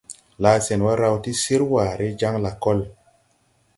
Laasenwa raw ti sir waaré jaŋ lakol.